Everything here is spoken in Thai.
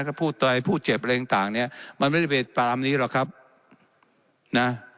ก็พูดอะไรพูดเจ็บอะไรต่างเนี่ยมันไม่ได้เป็นแบบนี้หรอกครับนะ